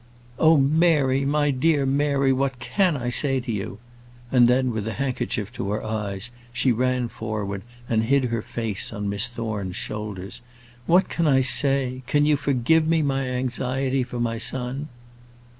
"Oh, Mary, my dear Mary; what can I say to you?" and then, with a handkerchief to her eyes, she ran forward and hid her face on Miss Thorne's shoulders. "What can I say can you forgive me my anxiety for my son?"